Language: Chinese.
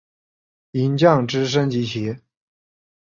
银将之升级棋。